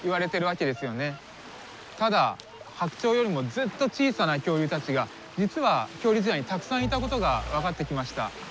ただ白鳥よりもずっと小さな恐竜たちが実は恐竜時代にたくさんいたことが分かってきました。